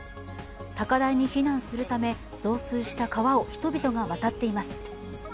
高台に避難するため、増水した川を人々が渡っています。